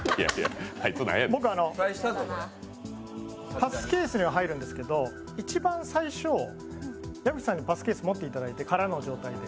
パスケースには入るんですけど、一番最初矢吹さんにパスケース持っていただいて、空の状態で、